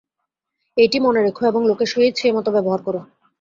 এইটি মনে রেখো এবং লোকের সহিত সেইমত ব্যবহার করো।